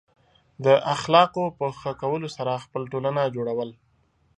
د اخلاقو په ښه کولو سره خپل ټولنه جوړول.